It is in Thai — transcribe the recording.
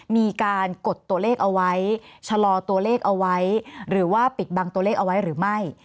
มีการกดตัวเลขเอาไว้ชะลอตัวเลขเอาไว้หรือว่าปิดบังตัวเลขเอาไว้หรือไม่